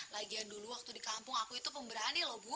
lagian dulu waktu di kampung aku itu pemberani loh bu